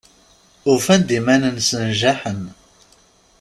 Ufan-d iman-nsen jaḥen.